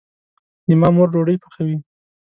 د ما مور ډوډي پخوي